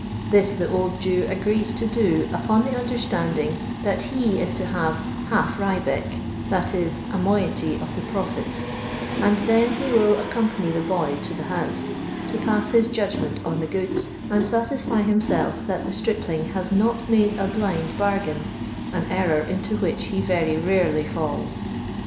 This the old Jew agrees to do upon the understanding that he is to hare " half Rybeck/' that is, a moiety of the profit, and then he will accompany the boy to the house, to pass his judgment on the goods, and satisfy him self that the stripling has not made a blind bar gain, an error into which he rery rarely falls.